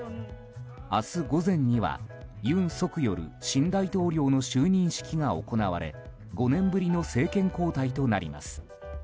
明日午前には尹錫悦新大統領の就任式が行われ５年ぶりの政権交代となります。